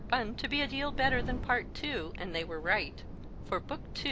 to be a deal better than Part II., and they were right ; for Book II.